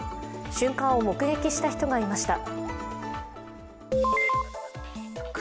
瞬間を目撃した人がいました。